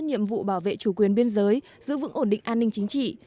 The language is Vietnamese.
nhiệm vụ bảo vệ chủ quyền biên giới giữ vững ổn định an ninh chính trị